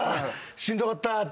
「しんどかった」って。